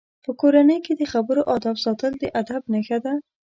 په کورنۍ کې د خبرو آدب ساتل د ادب نښه ده.